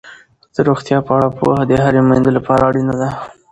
د روغتیا په اړه پوهه د هرې میندې لپاره اړینه ده.